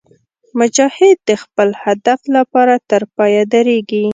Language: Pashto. مجاهد د خپل هدف لپاره تر پایه درېږي.